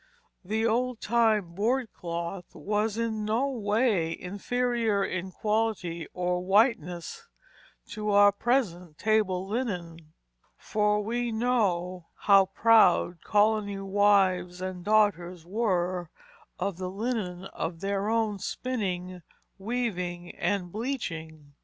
The old time board cloth was in no way inferior in quality or whiteness to our present table linen; for we know how proud colonial wives and daughters were of the linen of their own spinning, weaving, and bleaching.